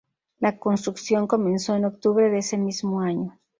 La construcción comenzó en octubre de ese mismo año.